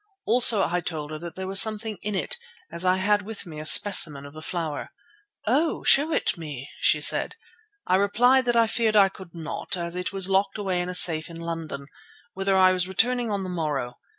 Also I told her that there was something in it, as I had with me a specimen of the flower. "Oh! show it me," she said. I replied that I feared I could not, as it was locked away in a safe in London, whither I was returning on the morrow.